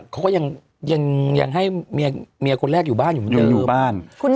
เขาก็ยังให้เมียคนแรกอยู่บ้านอยู่เหมือนเดิม